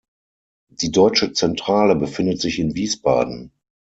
Die deutsche Zentrale befindet sich in Wiesbaden.